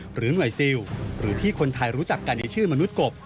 หรือหน่วยซิลหรือที่คนไทยรู้จักกันในชื่อมนุษย์กบ